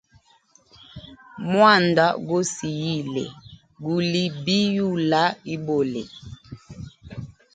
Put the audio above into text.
Mwanda go siyile, guli bi yula ibole.